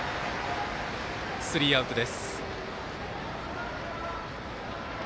スリーアウトです。